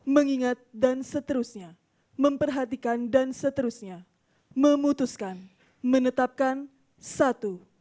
mengingat dan seterusnya memperhatikan dan seterusnya memutuskan menetapkan satu